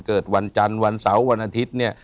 เกิดวันจันทร์วันเสาร์วันอาทิตย์เนี่ย